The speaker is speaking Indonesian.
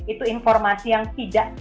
itu informasi yang tidak